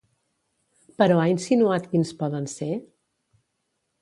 Però ha insinuat quins poden ser?